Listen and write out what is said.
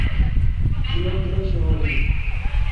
کئیو کلو شروع ای